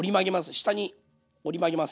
下に折り曲げます。